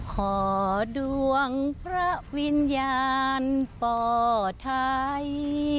ขอดวงพระวิญญาณป่อไทย